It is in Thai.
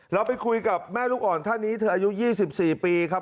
เราไปคุยกับแม่ลูกอ่อนท่านนี้เธออายุ๒๔ปีครับ